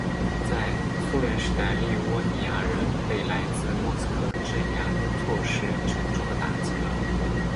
在苏联时代立窝尼亚人被来自莫斯科的镇压措施沉重地打击了。